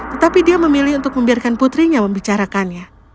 tetapi dia memilih untuk membiarkan putrinya membicarakannya